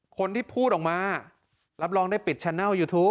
คนที่พูดออกมารับรองได้ปิดแชนัลยูทูป